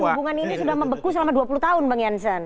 hubungan ini sudah membeku selama dua puluh tahun bang jansen